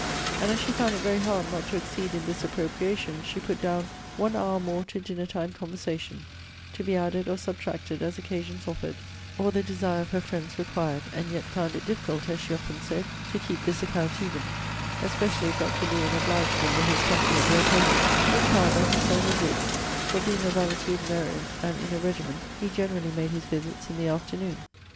And as she found it very hard not to exceed in this appropriation, she put down ONE hour more to dinner time conversation, to be added or subtracted, as occasions offered, or the desire of her friends required: and yet found it difficult, as she often said, to keep this account even; especially if Dr. Lewen obliged them with his company at their table; which, however he seldom did; for, being a valetudinarian, and in a regimen, he generally made his visits in the afternoon.